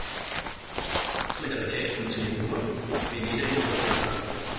Solidarität funktioniert nur, wenn jeder in den Topf einzahlt.